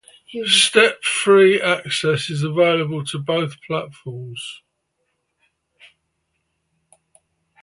Step-free access is available to both platforms.